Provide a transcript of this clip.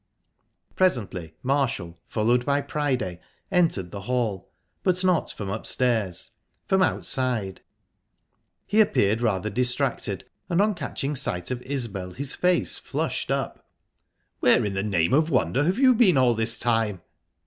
Presently Marshall, followed by Priday, entered the hall, but not from upstairs from outside. He appeared rather distracted, and on catching sight of Isbel his face flushed up. "Where in the name of wonder have you been all this time?"